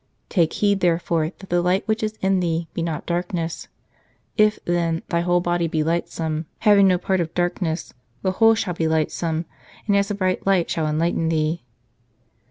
" Take heed, therefore, that the light which is in thee be not darkness. If, then, thy whole body be lightsome, having no part of darkness, the whole shall be lightsome, and as a bright lamp shall enlighten thee."